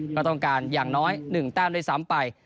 ก็ต้องการอย่างน้อย๑แต้มด้วยซ้ำไป